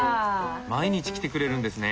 毎日来てくれるんですね。